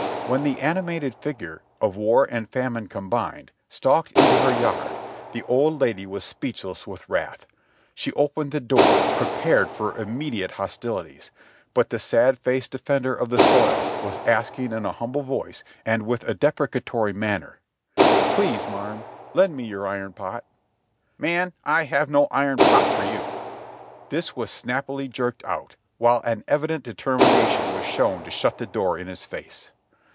When the animated figure of War and Famine combined stalked into her yard, the old lady was speechless with wrath ; she opened the door, prepared for immediate hostilities, but the sad faced defender of the soil was asking in a humble voice and with a deprecatory manner: "Please, marm, lend me your iron pot." "Man, I have no iron pot for you!" This was snappily jerked out, while an evident determination was shown to shut the door in his face.